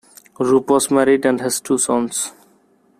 Roop was married and has two sons.